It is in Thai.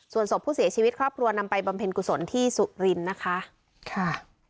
ส่วนศพผู้เสียชีวิตครอบครัวนำไปบำเพ็ญกุศลที่สุรินทร์นะคะค่ะ